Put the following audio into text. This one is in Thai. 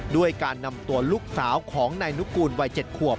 ด้วยการนำตัวลูกสาวของนายนุกูลวัย๗ขวบ